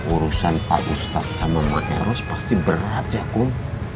urusan pak ustadz sama mas eros pasti berat ya kok